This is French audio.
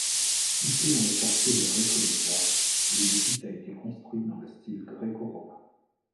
Située dans le quartier de Recoleta, l'édifice a été construit dans le style gréco-romain.